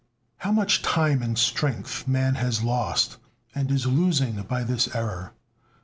How much time and strength man has lost and is losing by this error!